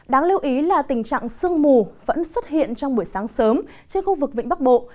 đáng lưu ý là tình trạng sương mù vẫn xuất hiện trong buổi sáng sớm trên khu vực vịnh bắc bộ